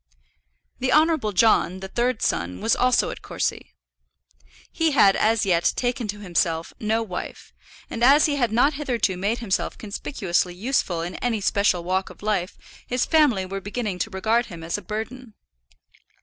The Honourable John, the third son, was also at Courcy. He had as yet taken to himself no wife, and as he had not hitherto made himself conspicuously useful in any special walk of life his family were beginning to regard him as a burden.